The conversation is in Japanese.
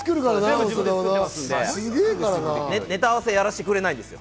ネタ合わせやらせてくれないんです。